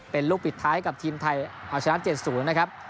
เป็นลูกปิดท้ายกับทีมไทยเอาชนะ๗๐นะครับ